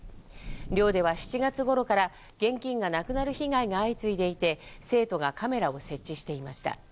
寮では７月ごろから現金がなくなる被害が相次いでいて、生徒がカメラを設置していました。